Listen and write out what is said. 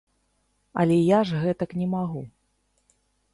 Але я ж гэтак не магу.